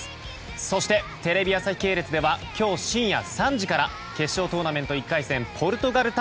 そしてテレビ朝日系列では今日深夜３時から決勝トーナメント１回戦ポルトガル対